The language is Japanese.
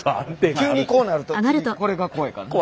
急にこうなると次これが怖いからな。